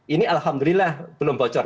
ini alhamdulillah belum bocor